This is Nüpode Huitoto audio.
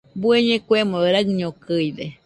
Bueñe kuemo raiñokɨide